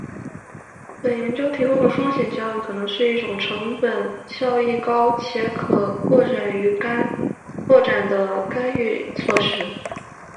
本研究提供的风险教育可能是一种成本效益高且可扩展的干预措施